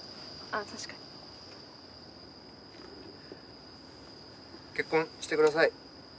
あぁ確かに。結婚してください。